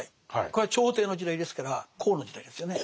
これは朝廷の時代ですから公の時代ですよね。